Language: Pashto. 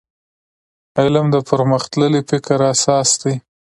علم د پرمختللي فکر اساس دی.